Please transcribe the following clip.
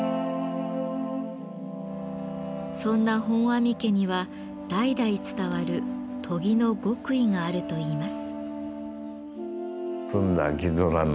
そんな本阿弥家には代々伝わる「研ぎの極意」があるといいます。